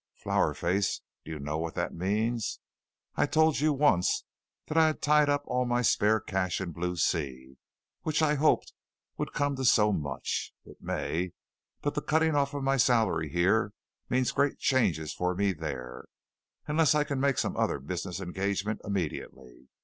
Flower Face, do you know what that means? I told you once that I had tied up all my spare cash in Blue Sea, which I hoped would come to so much. It may, but the cutting off my salary here means great changes for me there, unless I can make some other business engagement immediately.